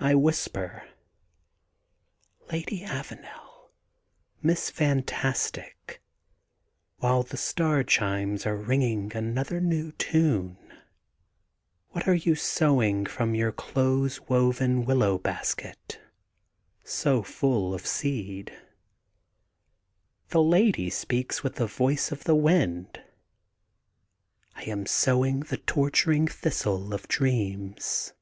I whisper: Lady Avanel, Miss Fantas tic, while the star chimes are ringing another new tune, what are you sowing from your close woven willow basket so full of seedt The lady speaks with the voice of the wind :— ^'I am sowing the torturing thistle of dreams.